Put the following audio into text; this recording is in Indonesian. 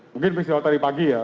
mungkin bisa dari pagi ya